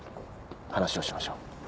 話をしましょう。